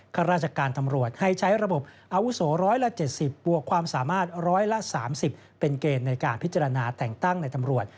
ข้าราชการตำรวจให้ใช้ระบบอาวุโสร้อยละ๗๐บวกความสามารถร้อยละ๓๐เป็นเกณฑ์ในการพิจารณาแต่งตั้งในตำรวจ